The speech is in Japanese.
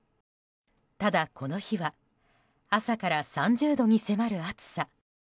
ただ、この日は朝から３０度に迫る暑さ。